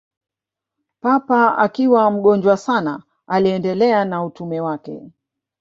Papa akiwa mgonjwa sana aliendelea na utume wake